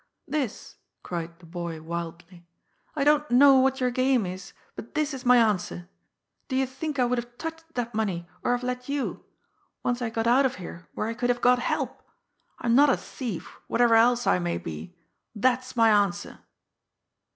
"This!" cried the boy wildly. "I don't know what your game is, but this is my answer! Do you think I would have touched that money, or have let you once I got out of here where I could have got help! I'm not a thief whatever else I may be. That's my answer!"